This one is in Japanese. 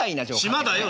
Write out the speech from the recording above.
島だよ！